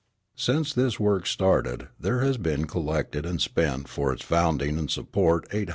Since this work started, there has been collected and spent for its founding and support $800,000.